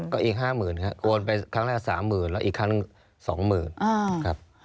ก็อีกห้าหมื่นครับโอนไปครั้งแรกสามหมื่นแล้วอีกครั้งสองหมื่นครับ